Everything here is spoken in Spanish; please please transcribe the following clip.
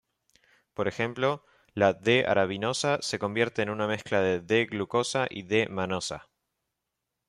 Por ejemplo, la D-arabinosa se convierte en una mezcla de D-glucosa y D-manosa.